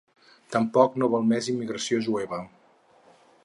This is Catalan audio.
Tampoc no vol més immigració jueva.